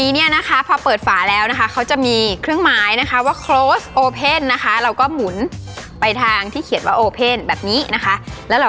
เดี๋ยวเรามาลองกันดูค่ะ